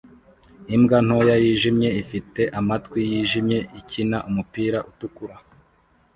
Imbwa ntoya yijimye ifite amatwi yijimye ikina numupira utukura